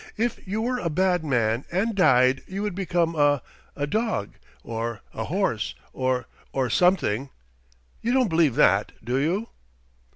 If you were a bad man and died you would become a a dog, or a horse, or or something. You don't believe that, do you?"